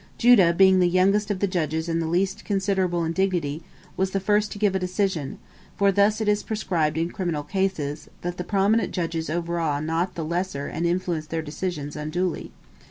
Judah, being the youngest of the judges and the least considerable in dignity, was the first to give a decision, for thus it is prescribed in criminal cases, that the prominent judges overawe not the lesser and influence their decisions unduly.